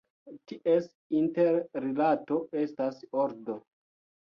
Ties interrilato estas ordo.